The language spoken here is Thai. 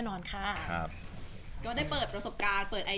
นอกจากซาระแล้ว